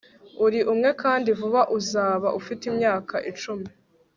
uri umwe kandi vuba uzaba ufite imyaka icumi